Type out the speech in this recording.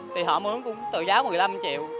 thì họ mướn cũng từ giá một mươi năm triệu